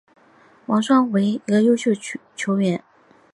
王霜为湖北足协青训系统培养出来的优秀球员。